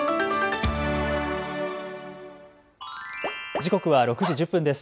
時刻は６時１０分です。